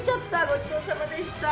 ごちそうさまでした。